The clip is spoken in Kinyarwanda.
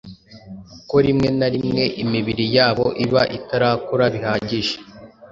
kuko rimwe na rimwe imibiri yabo iba itarakura bihagije,